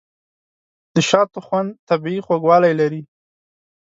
د شاتو خوند طبیعي خوږوالی لري.